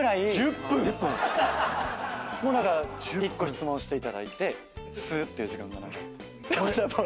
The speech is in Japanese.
１０分⁉１個質問していただいてすーっていう時間が流れて。